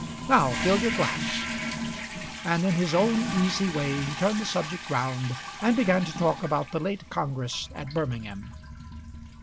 Now fill your glass." And in his own easy way he turned the subject round and began to talk about the late congress at Birmingham.